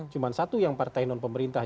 cuma satu yang partai non pemerintah